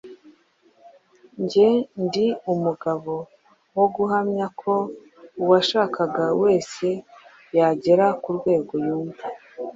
Jye ndi umugabo wo guhamya ko uwashaka wese yagera ku rwego yumva